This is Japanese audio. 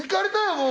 もう。